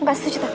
gak setuju tante